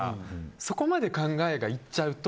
そこまで考えがいっちゃうと。